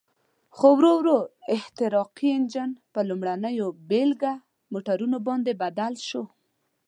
خو ورو ورو احتراقي انجن په لومړنیو بېلګه موټرونو باندې بدل شو.